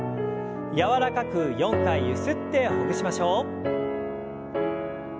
柔らかく４回ゆすってほぐしましょう。